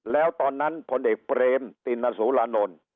แล้วตอนนั้นพลเอกเปรมตินสุรานนท์